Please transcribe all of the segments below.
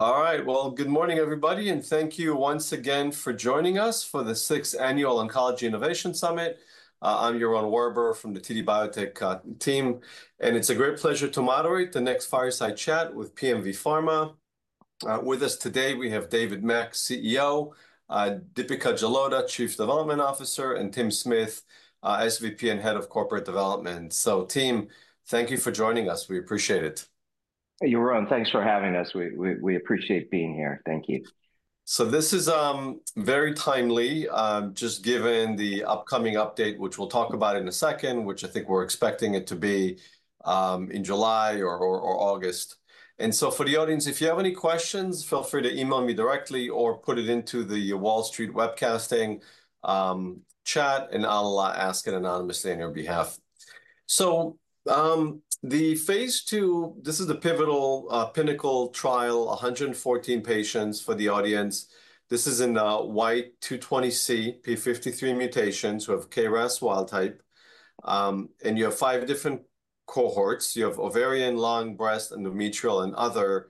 All right, good morning, everybody, and thank you once again for joining us for the 6th Annual Oncology Innovation Summit. I'm Yaron Werber from the TD Cowen Biotech team, and it's a great pleasure to moderate the next fireside chat with PMV Pharmaceuticals. With us today, we have David Mack, CEO; Deepika Jalota, Chief Development Officer; and Tim Smith, SVP and Head of Corporate Development. Tim, thank you for joining us. We appreciate it. Yaron, thanks for having us. We appreciate being here. Thank you. This is very timely, just given the upcoming update, which we'll talk about in a second, which I think we're expecting it to be in July or August. For the audience, if you have any questions, feel free to email me directly or put it into the Wall Street Webcasting chat, and I'll ask it anonymously on your behalf. The phase II, this is the pivotal PYNNACLE trial, 114 patients for the audience. This is in Y220C, p53 mutations of KRAS wild type. You have five different cohorts. You have ovarian, lung, breast, endometrial, and other.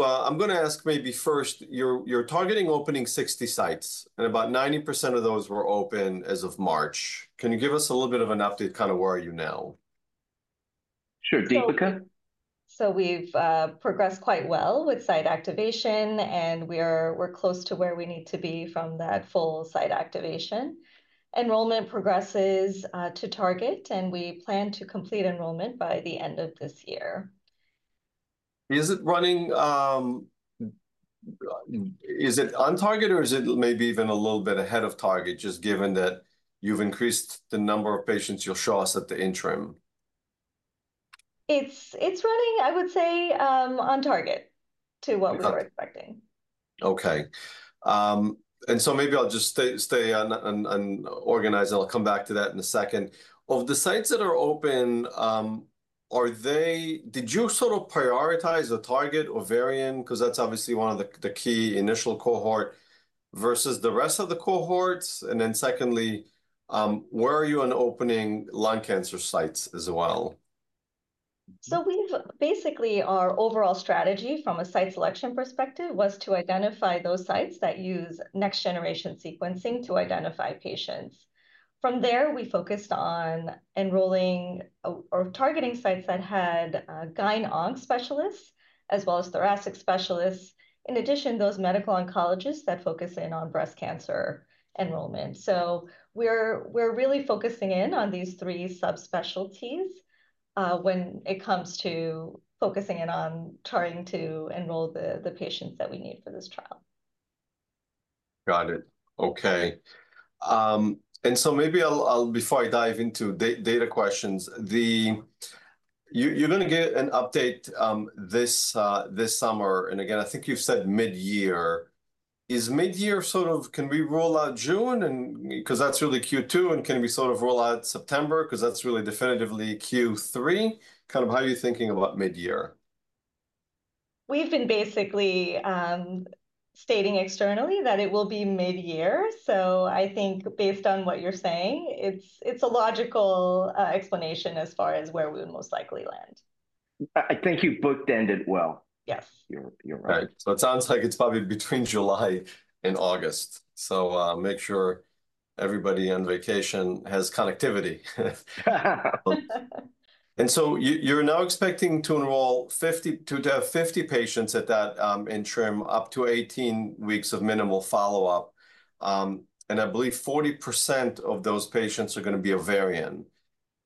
I'm going to ask maybe first, you're targeting opening 60 sites, and about 90% of those were open as of March. Can you give us a little bit of an update, kind of where are you now? Sure, Deepika. We've progressed quite well with site activation, and we're close to where we need to be from that full site activation. Enrollment progresses to target, and we plan to complete enrollment by the end of this year. Is it running? Is it on target, or is it maybe even a little bit ahead of target, just given that you've increased the number of patients you'll show us at the interim? It's running, I would say, on target to what we were expecting. Okay. Maybe I'll just stay organized, and I'll come back to that in a second. Of the sites that are open, did you sort of prioritize the target ovarian? Because that's obviously one of the key initial cohorts versus the rest of the cohorts. Secondly, where are you on opening lung cancer sites as well? Basically, our overall strategy from a site selection perspective was to identify those sites that use next-generation sequencing to identify patients. From there, we focused on enrolling or targeting sites that had gyne-onc specialists as well as thoracic specialists, in addition to those medical oncologists that focus in on breast cancer enrollment. We are really focusing in on these three subspecialties when it comes to focusing in on trying to enroll the patients that we need for this trial. Got it. Okay. And so maybe before I dive into data questions, you're going to get an update this summer. And again, I think you've said mid-year. Is mid-year sort of, can we roll out June? Because that's really Q2. And can we sort of roll out September? Because that's really definitively Q3. Kind of how are you thinking about mid-year? We've been basically stating externally that it will be mid-year. I think based on what you're saying, it's a logical explanation as far as where we would most likely land. I think you bookended well. Yes. You're right. It sounds like it's probably between July and August. Make sure everybody on vacation has connectivity. You're now expecting to enroll 50 patients at that interim, up to 18 weeks of minimal follow-up. I believe 40% of those patients are going to be ovarian.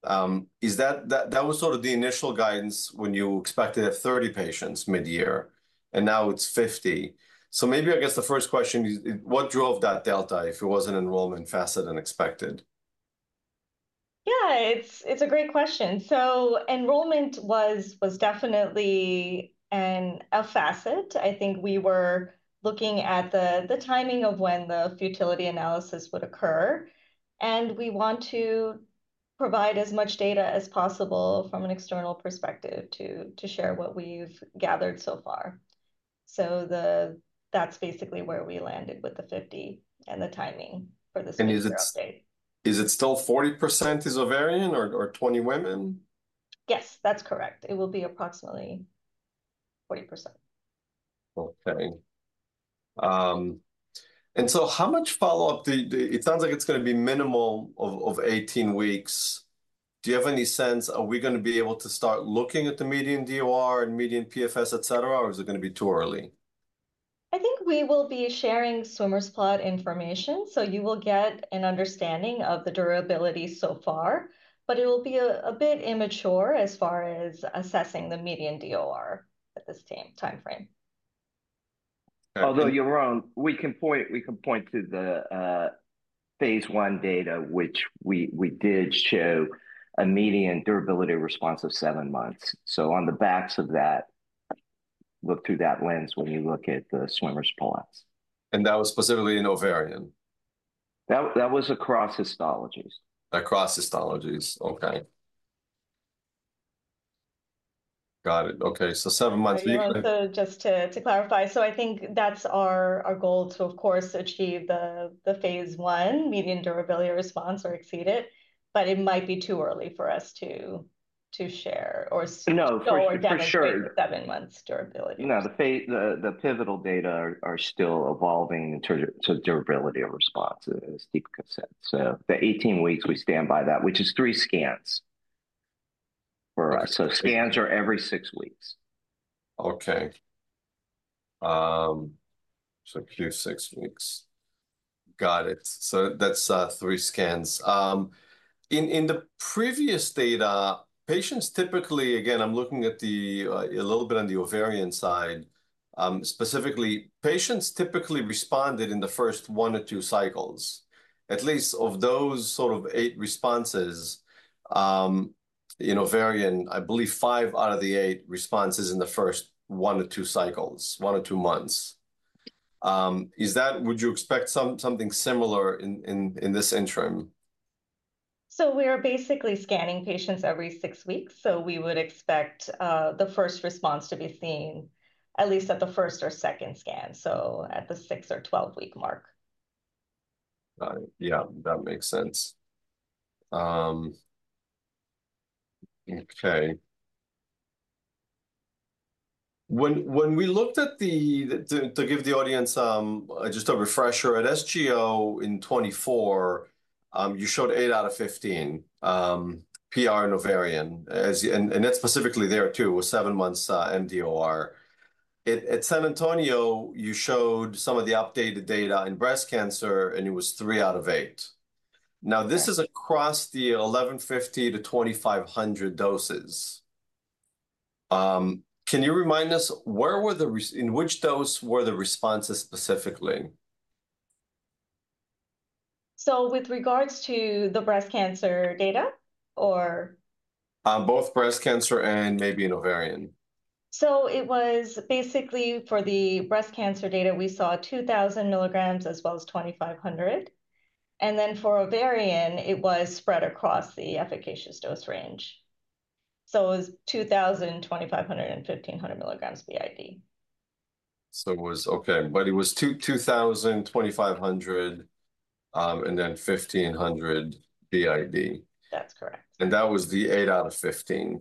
That was sort of the initial guidance when you expected to have 30 patients mid-year, and now it's 50. Maybe the first question is, what drove that delta if it wasn't enrollment facet unexpected? Yeah, it's a great question. Enrollment was definitely a facet. I think we were looking at the timing of when the futility analysis would occur. We want to provide as much data as possible from an external perspective to share what we've gathered so far. That's basically where we landed with the 50 and the timing for the 60. Is it still 40% is ovarian or 20 women? Yes, that's correct. It will be approximately 40%. Okay. And how much follow-up? It sounds like it's going to be minimal of 18 weeks. Do you have any sense? Are we going to be able to start looking at the median DOR and median PFS, et cetera? Or is it going to be too early? I think we will be sharing swimmer's plot information. You will get an understanding of the durability so far, but it will be a bit immature as far as assessing the median DOR at the same timeframe. Although, Yaron, we can point to the phase I data, which we did show a median duration of response of seven months. On the backs of that, look through that lens when you look at the swimmer's plots. That was specifically in ovarian? That was across histologies. Across histologies. Okay. Got it. Okay. So seven months. Just to clarify, so I think that's our goal to, of course, achieve the phase I median duration of response or exceed it. But it might be too early for us to share or. No, for sure. For seven months durability. No, the pivotal data are still evolving to durability of response as Deepika said. The 18 weeks, we stand by that, which is three scans. Scans are every six weeks. Okay. Q6 weeks. Got it. That is three scans. In the previous data, patients typically, again, I am looking at a little bit on the ovarian side. Specifically, patients typically responded in the first one or two cycles. At least of those eight responses in ovarian, I believe five out of the eight responses were in the first one or two cycles, one or two months. Would you expect something similar in this interim? We are basically scanning patients every six weeks. We would expect the first response to be seen at least at the first or second scan, so at the 6- or 12-week mark. Got it. Yeah, that makes sense. Okay. When we looked at the, to give the audience just a refresher, at SGO in 2024, you showed 8 out of 15 PR in ovarian. And that's specifically there too, with seven months MDOR. At San Antonio, you showed some of the updated data in breast cancer, and it was 3 out of 8. Now, this is across the 1150-2500 doses. Can you remind us where were the, in which dose were the responses specifically? With regards to the breast cancer data or? Both breast cancer and maybe in ovarian. It was basically for the breast cancer data, we saw 2000 mg as well as 2500. For ovarian, it was spread across the efficacious dose range. It was 2000, 2500, and 1500 mg b.i.d. It was okay. But it was 2000, 2500, and then 1500 b.i.d. That's correct. That was the 8 out of 15.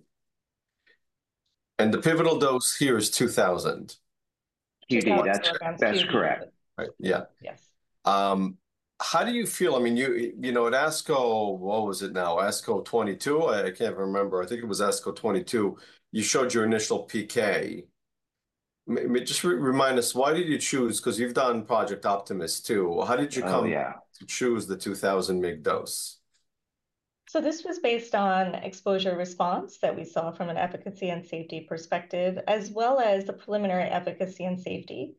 The pivotal dose here is 2000. PD, that's correct. Yeah. Yes. How do you feel? I mean, at ASCO, what was it now? ASCO 2022? I can't remember. I think it was ASCO 2022. You showed your initial PK. Just remind us, why did you choose? Because you've done Project Optimus too. How did you come to choose the 2000 mg dose? This was based on exposure response that we saw from an efficacy and safety perspective, as well as the preliminary efficacy and safety,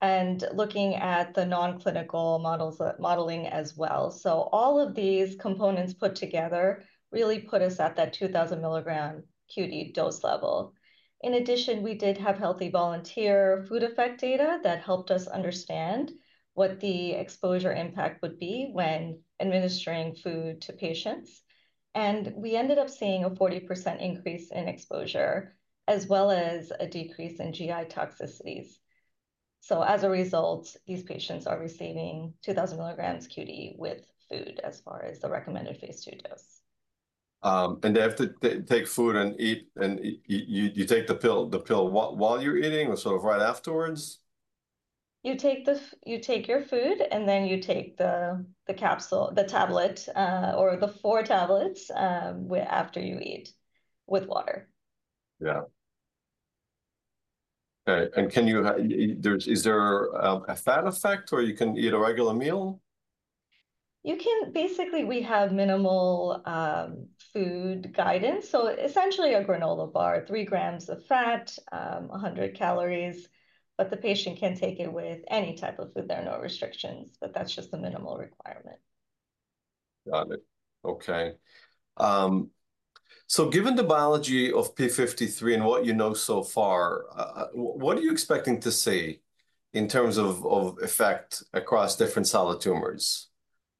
and looking at the non-clinical modeling as well. All of these components put together really put us at that 2000 mg QD dose level. In addition, we did have healthy volunteer food effect data that helped us understand what the exposure impact would be when administering food to patients. We ended up seeing a 40% increase in exposure as well as a decrease in GI toxicities. As a result, these patients are receiving 2000 mg QD with food as far as the recommended phase II dose. They have to take food and eat, and you take the pill while you're eating or sort of right afterwards? You take your food, and then you take the capsule, the tablet, or the four tablets after you eat with water. Yeah. Okay. Is there a fat effect, or you can eat a regular meal? Basically, we have minimal food guidance. So essentially a granola bar, 3 grams of fat, 100 calories. But the patient can take it with any type of food. There are no restrictions, but that's just a minimal requirement. Got it. Okay. So given the biology of p53 and what you know so far, what are you expecting to see in terms of effect across different solid tumors?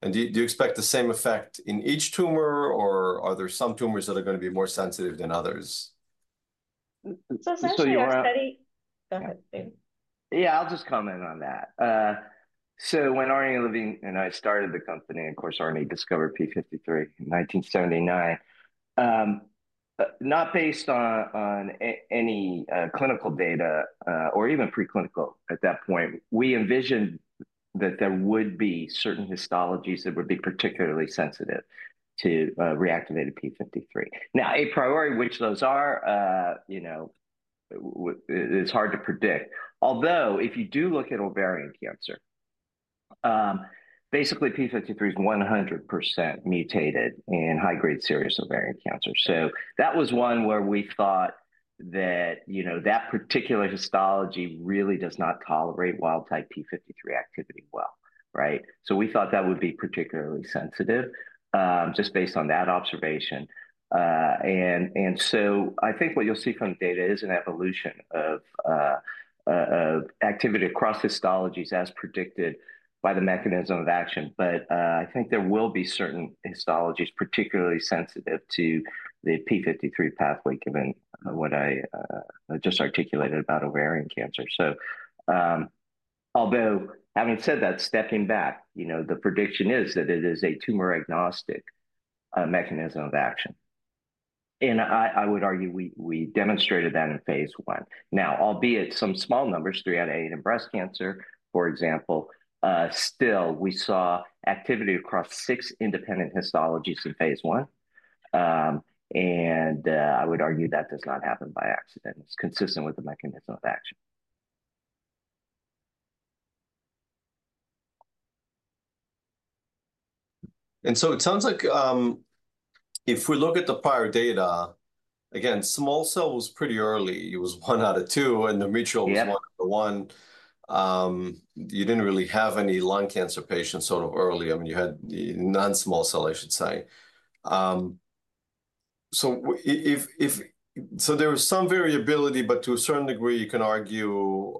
Do you expect the same effect in each tumor, or are there some tumors that are going to be more sensitive than others? Essentially, our study. Go ahead, David. Yeah, I'll just comment on that. When Arnie Levine and I started the company, of course, Arnie discovered p53 in 1979. Not based on any clinical data or even preclinical at that point, we envisioned that there would be certain histologies that would be particularly sensitive to reactivated p53. Now, a priori, which those are, it's hard to predict. Although if you do look at ovarian cancer, basically p53 is 100% mutated in high-grade serous ovarian cancer. That was one where we thought that that particular histology really does not tolerate wild-type p53 activity well, right? We thought that would be particularly sensitive just based on that observation. I think what you'll see from the data is an evolution of activity across histologies as predicted by the mechanism of action. I think there will be certain histologies particularly sensitive to the p53 pathway given what I just articulated about ovarian cancer. Although, having said that, stepping back, the prediction is that it is a tumor-agnostic mechanism of action. I would argue we demonstrated that in phase I. Now, albeit some small numbers, three out of eight in breast cancer, for example, still we saw activity across six independent histologies in phase I. I would argue that does not happen by accident. It is consistent with the mechanism of action. It sounds like if we look at the prior data, again, small cell was pretty early. It was one out of two, and the mutual was one out of one. You did not really have any lung cancer patients sort of early. I mean, you had non-small cell, I should say. There was some variability, but to a certain degree, you can argue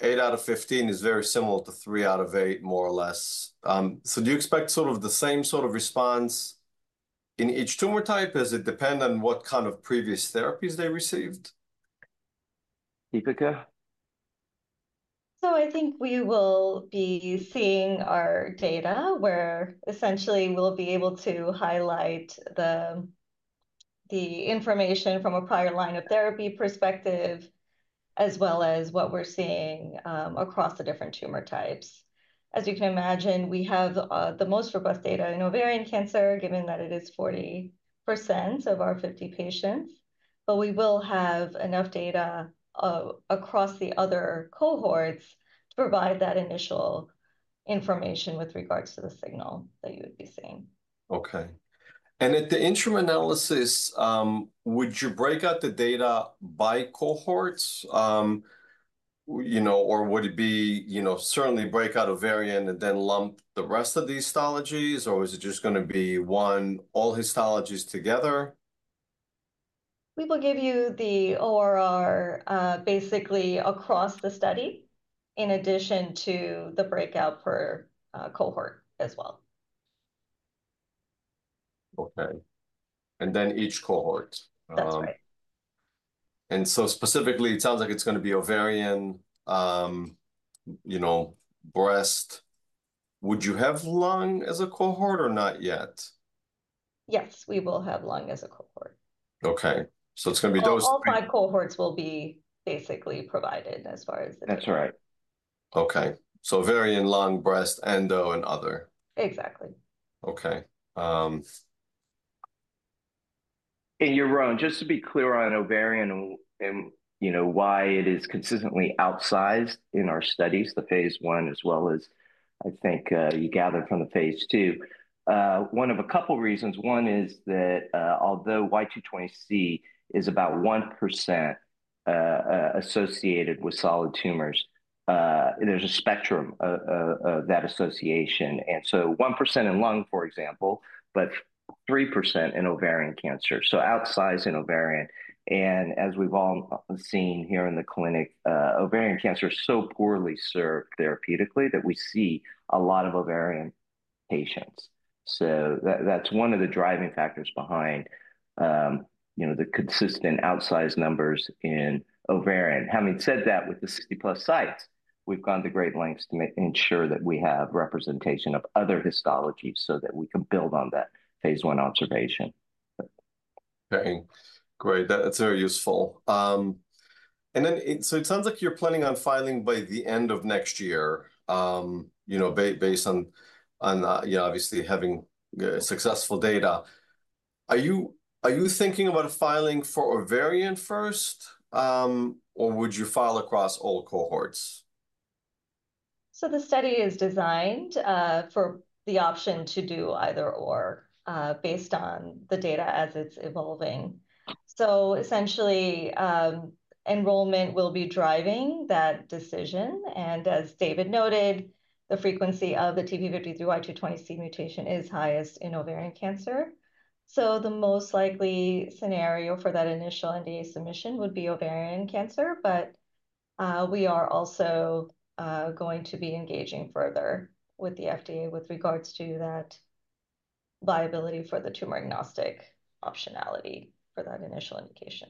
eight out of 15 is very similar to three out of eight, more or less. Do you expect sort of the same sort of response in each tumor type? Does it depend on what kind of previous therapies they received? Deepika? I think we will be seeing our data where essentially we'll be able to highlight the information from a prior line of therapy perspective as well as what we're seeing across the different tumor types. As you can imagine, we have the most robust data in ovarian cancer, given that it is 40% of our 50 patients. We will have enough data across the other cohorts to provide that initial information with regards to the signal that you would be seeing. Okay. At the interim analysis, would you break out the data by cohorts? Would it be certainly break out ovarian and then lump the rest of the histologies? Is it just going to be one all histologies together? We will give you the ORR basically across the study in addition to the breakout per cohort as well. Okay. Each cohort. That's right. Specifically, it sounds like it's going to be ovarian, breast. Would you have lung as a cohort or not yet? Yes, we will have lung as a cohort. Okay. So it's going to be those. All five cohorts will be basically provided as far as the data. That's right. Okay. So ovarian, lung, breast, endo, and other. Exactly. Okay. Yaron, just to be clear on ovarian and why it is consistently outsized in our studies, the phase I as well as I think you gathered from the phase II, one of a couple of reasons. One is that although Y220C is about 1% associated with solid tumors, there is a spectrum of that association. 1% in lung, for example, but 3% in ovarian cancer. Outsized in ovarian. As we have all seen here in the clinic, ovarian cancer is so poorly served therapeutically that we see a lot of ovarian patients. That is one of the driving factors behind the consistent outsized numbers in ovarian. Having said that, with the 60-plus sites, we have gone to great lengths to ensure that we have representation of other histology so that we can build on that phase I observation. Okay. Great. That's very useful. It sounds like you're planning on filing by the end of next year based on obviously having successful data. Are you thinking about filing for ovarian first, or would you file across all cohorts? The study is designed for the option to do either/or based on the data as it's evolving. Essentially, enrollment will be driving that decision. As David noted, the frequency of the TP53 Y220C mutation is highest in ovarian cancer. The most likely scenario for that initial NDA submission would be ovarian cancer, but we are also going to be engaging further with the FDA with regards to that viability for the tumor-agnostic optionality for that initial indication.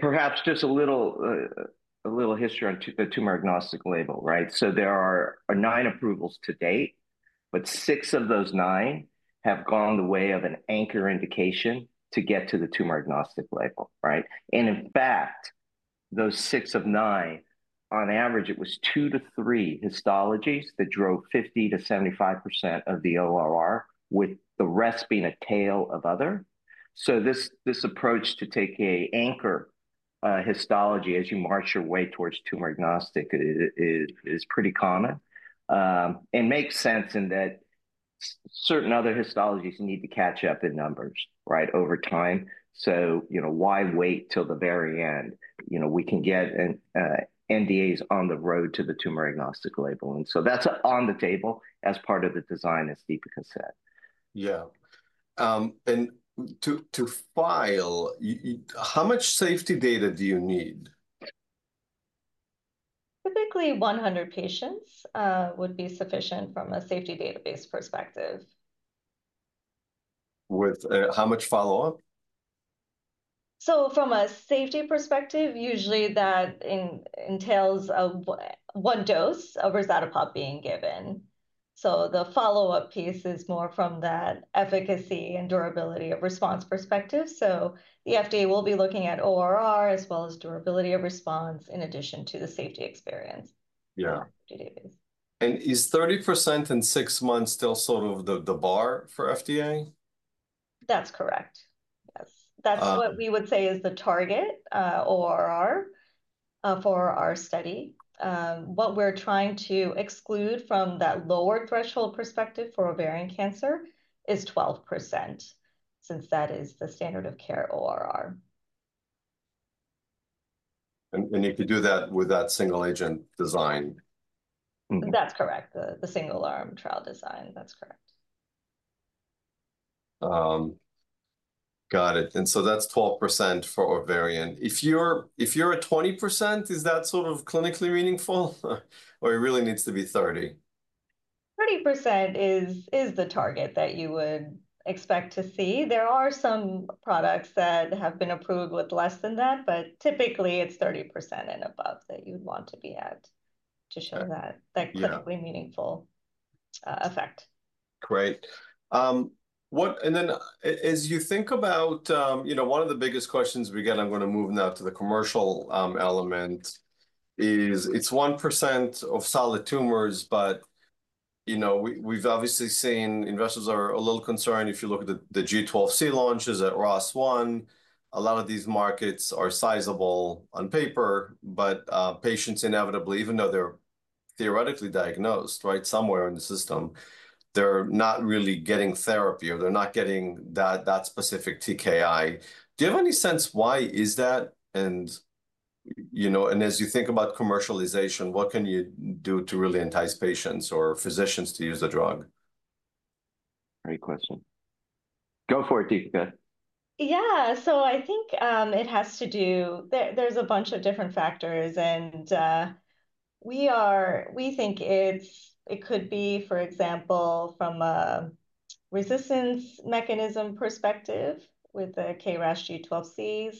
Perhaps just a little history on the tumor-agnostic label, right? There are nine approvals to date, but six of those nine have gone the way of an anchor indication to get to the tumor-agnostic label, right? In fact, those six of nine, on average, it was two to three histologies that drove 50%-75% of the ORR, with the rest being a tail of other. This approach to take an anchor histology as you march your way towards tumor-agnostic is pretty common and makes sense in that certain other histologies need to catch up in numbers, right, over time. Why wait till the very end? We can get NDAs on the road to the tumor-agnostic label. That is on the table as part of the design, as Deepika said. Yeah. To file, how much safety data do you need? Typically, 100 patients would be sufficient from a safety database perspective. With how much follow-up? From a safety perspective, usually that entails one dose of rezatapopt being given. The follow-up piece is more from that efficacy and durability of response perspective. The FDA will be looking at ORR as well as durability of response in addition to the safety experience. Yeah. Is 30% in six months still sort of the bar for FDA? That's correct. Yes. That's what we would say is the target ORR for our study. What we're trying to exclude from that lower threshold perspective for ovarian cancer is 12% since that is the standard of care ORR. You could do that with that single-agent design. That's correct. The single-arm trial design. That's correct. Got it. And so that's 12% for ovarian. If you're at 20%, is that sort of clinically meaningful, or it really needs to be 30%? 30% is the target that you would expect to see. There are some products that have been approved with less than that, but typically it's 30% and above that you'd want to be at to show that clinically meaningful effect. Great. As you think about one of the biggest questions we get, I'm going to move now to the commercial element. It's 1% of solid tumors, but we've obviously seen investors are a little concerned if you look at the G12C launches at ROS1. A lot of these markets are sizable on paper, but patients inevitably, even though they're theoretically diagnosed, right, somewhere in the system, they're not really getting therapy or they're not getting that specific TKI. Do you have any sense why is that? As you think about commercialization, what can you do to really entice patients or physicians to use the drug? Great question. Go for it, Deepika. Yeah. I think it has to do, there's a bunch of different factors. We think it could be, for example, from a resistance mechanism perspective with the KRAS G12Cs,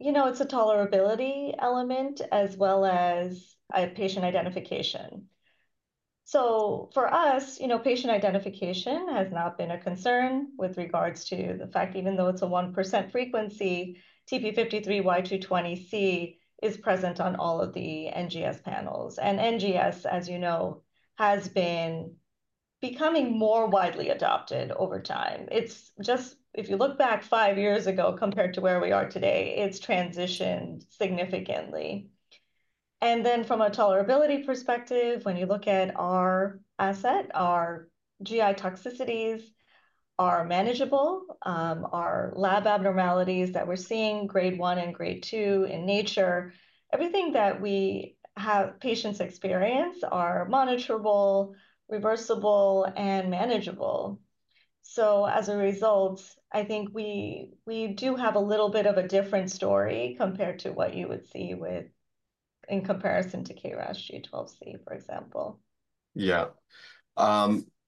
it's a tolerability element as well as a patient identification. For us, patient identification has not been a concern with regards to the fact even though it's a 1% frequency, TP53 Y220C is present on all of the NGS panels. NGS, as you know, has been becoming more widely adopted over time. If you look back five years ago compared to where we are today, it's transitioned significantly. From a tolerability perspective, when you look at our asset, our GI toxicities are manageable, our lab abnormalities that we're seeing, grade one and grade two in nature, everything that patients experience are monitorable, reversible, and manageable. As a result, I think we do have a little bit of a different story compared to what you would see in comparison to KRAS G12C, for example. Yeah.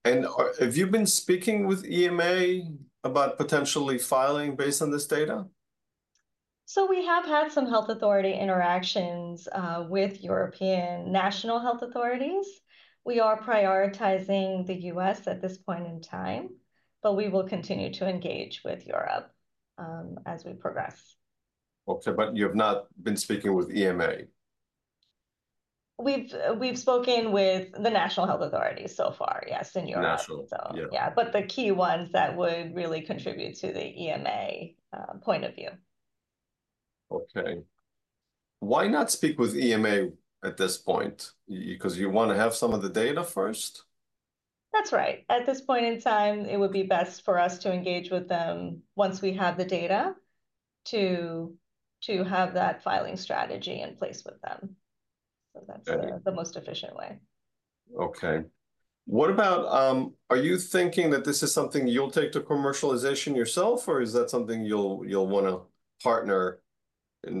Have you been speaking with EMA about potentially filing based on this data? We have had some health authority interactions with European national health authorities. We are prioritizing the U.S. at this point in time, but we will continue to engage with Europe as we progress. Okay. You have not been speaking with EMA? We've spoken with the national health authority so far, yes, in Europe. National, yeah. Yeah. The key ones that would really contribute to the EMA point of view. Okay. Why not speak with EMA at this point? Because you want to have some of the data first? That's right. At this point in time, it would be best for us to engage with them once we have the data to have that filing strategy in place with them. That is the most efficient way. Okay. Are you thinking that this is something you'll take to commercialization yourself, or is that something you'll want to partner?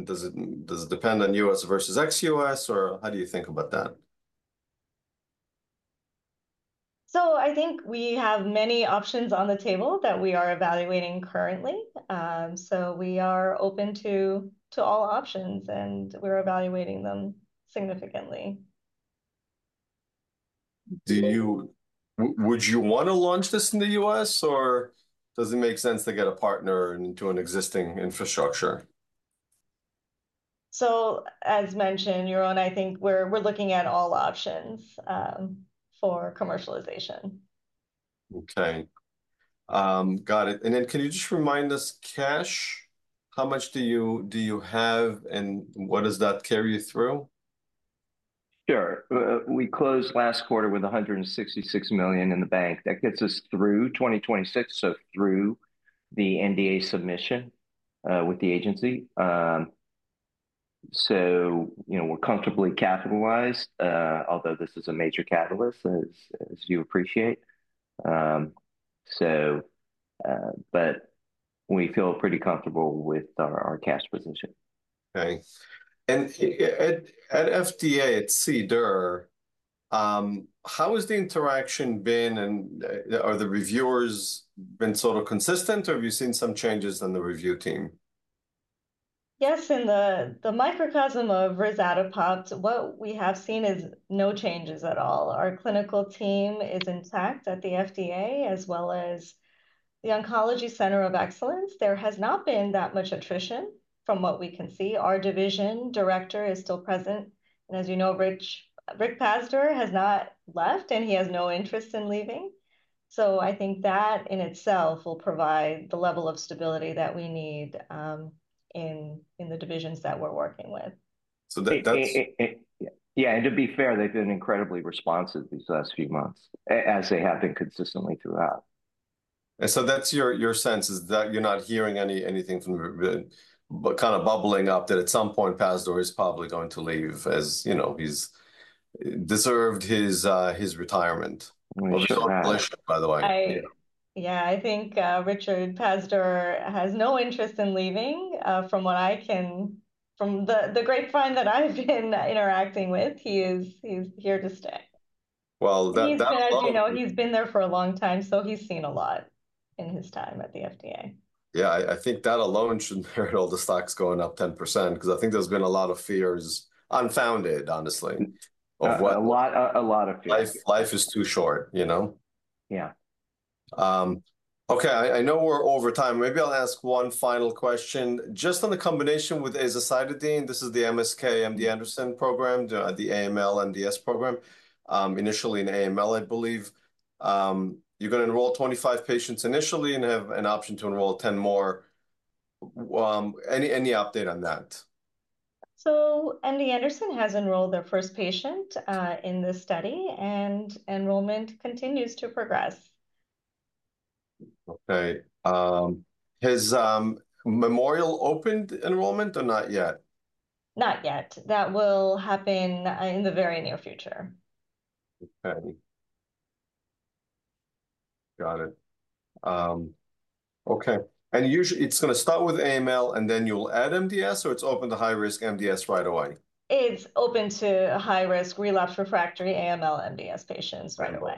Does it depend on U.S. versus ex-U.S., or how do you think about that? I think we have many options on the table that we are evaluating currently. We are open to all options, and we're evaluating them significantly. Would you want to launch this in the U.S., or does it make sense to get a partner into an existing infrastructure? As mentioned, Yaron, I think we're looking at all options for commercialization. Okay. Got it. Can you just remind us, cash, how much do you have, and what does that carry you through? Sure. We closed last quarter with $166 million in the bank. That gets us through 2026, so through the NDA submission with the agency. We're comfortably capitalized, although this is a major catalyst, as you appreciate. We feel pretty comfortable with our cash position. Okay. At FDA at CDER, how has the interaction been? Are the reviewers been sort of consistent, or have you seen some changes in the review team? Yes. In the microcosm of rezatapopt, what we have seen is no changes at all. Our clinical team is intact at the FDA as well as the Oncology Center of Excellence. There has not been that much attrition from what we can see. Our division director is still present. As you know, Rick Pazdur has not left, and he has no interest in leaving. I think that in itself will provide the level of stability that we need in the divisions that we're working with. So that's. Yeah. To be fair, they've been incredibly responsive these last few months as they have been consistently throughout. That's your sense, is that you're not hearing anything from kind of bubbling up that at some point, Pazdur is probably going to leave as he's deserved his retirement. We hope. It's a pleasure, by the way. Yeah. I think Rick Pazdur has no interest in leaving from what I can from the grapevine that I've been interacting with, he's here to stay. Well, that. He's been there for a long time, so he's seen a lot in his time at the FDA. Yeah. I think that alone should merit all the stocks going up 10% because I think there's been a lot of fears, unfounded, honestly. Yeah. A lot of fears. Life is too short. Yeah. Okay. I know we're over time. Maybe I'll ask one final question. Just on the combination with azacitidine, this is the MSK-MD Anderson program, the AML-MDS program, initially in AML, I believe. You're going to enroll 25 patients initially and have an option to enroll 10 more. Any update on that? MD Anderson has enrolled their first patient in this study, and enrollment continues to progress. Okay. Has Memorial opened enrollment or not yet? Not yet. That will happen in the very near future. Okay. Got it. Okay. And it's going to start with AML, and then you'll add MDS, or it's open to high-risk MDS right away? It's open to high-risk relapse-refractory AML-MDS patients right away.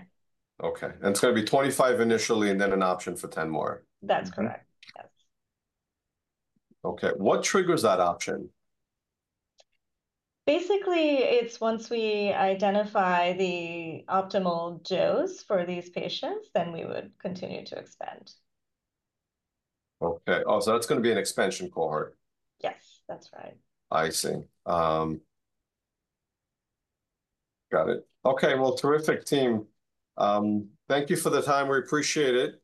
Okay. It is going to be 25 initially and then an option for 10 more. That's correct. Yes. Okay. What triggers that option? Basically, it's once we identify the optimal dose for these patients, then we would continue to expand. Okay. Oh, so that's going to be an expansion cohort. Yes. That's right. I see. Got it. Okay. Terrific team. Thank you for the time. We appreciate it.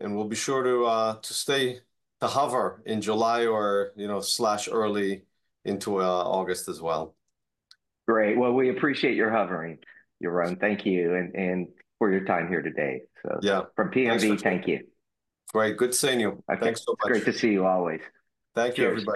We'll be sure to stay to hover in July or slash early into August as well. Great. We appreciate your hovering, Yaron. Thank you for your time here today. From PMV, thank you. Great. Good seeing you. Thanks so much. Great to see you always. Thank you.